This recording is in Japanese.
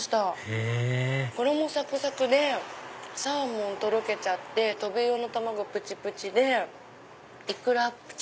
へぇ衣サクサクでサーモンとろけちゃってトビウオの卵プチプチでイクラプチ！